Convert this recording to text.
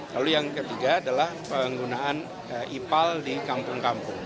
lalu yang ketiga adalah penggunaan ipal di kampung kampung